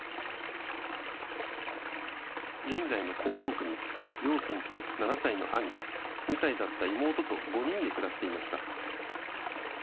現在の江東区に両親と７歳の兄、２歳だった妹と５人で暮らしていました。